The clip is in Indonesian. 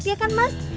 ya kan mas